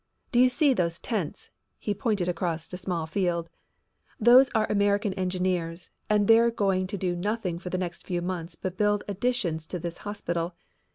"Do you see those tents?" He pointed across a small field. "Those are American engineers and they're going to do nothing for the next few months but build additions to this hospital.